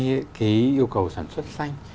cái yêu cầu sản xuất xanh